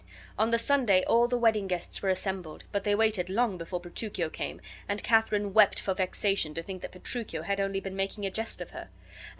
On the Sunday all the wedding guests were assembled, but they waited long before Petruchio came, and Katharine wept for vexation to think that Petruchio had only been making a jest of her.